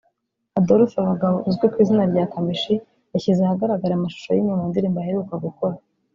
Adolphe bagabo uzwi ku izina rya Kamichi yashyize ahagaragara amashusho y’imwe mu ndirimbo aheruka gukora